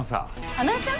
花恵ちゃん？